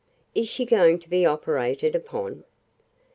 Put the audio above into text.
Is she going to be operated upon?"